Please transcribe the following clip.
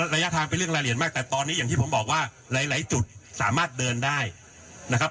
ระยะทางเป็นเรื่องรายละเอียดมากแต่ตอนนี้อย่างที่ผมบอกว่าหลายจุดสามารถเดินได้นะครับ